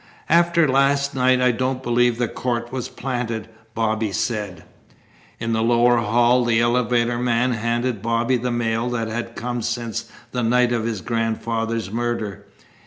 "After last night I don't believe the court was planted," Bobby said. In the lower hall the elevator man handed Bobby the mail that had come since the night of his grandfather's murder.